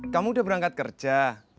kamu udah berangkat kerja